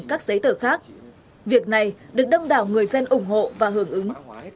các giấy tờ khác việc này được đông đảo người dân ủng hộ và hưởng ứng